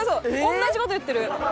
同じ事言ってる！